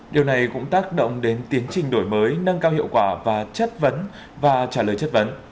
điều này cũng tác động đến tiến trình đổi mới nâng cao hiệu quả và chất vấn và trả lời chất vấn